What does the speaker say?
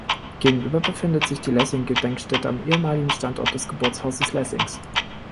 Gegenüber befindet sich die Lessing-Gedenkstätte am ehemaligen Standort des Geburtshauses Lessings.